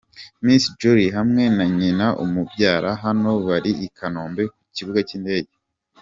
Miss Jolly hamwe na nyina umubyara, hano bari i Kanombe ku kibuga cy'indege.